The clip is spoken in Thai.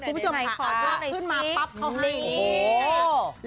คุณผู้ชมขาขึ้นมาปั๊บเขาให้นี่